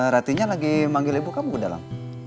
ratinya lagi manggil ibu kamu dalam